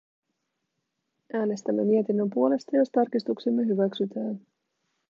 Äänestämme mietinnön puolesta, jos tarkistuksemme hyväksytään.